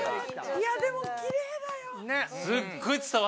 いやでもきれいだよ！